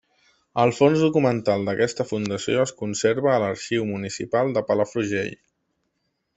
El fons documental d'aquesta fundació es conserva a l'Arxiu Municipal de Palafrugell.